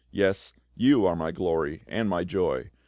Yes, you are my glory and my joy.